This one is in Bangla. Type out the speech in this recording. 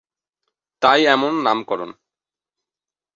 তাই এমন নামকরণ।